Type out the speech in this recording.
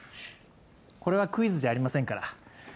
これはクイズじゃありませんから。